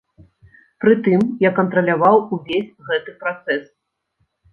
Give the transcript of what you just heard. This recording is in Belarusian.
Прытым я кантраляваў увесь гэты працэс.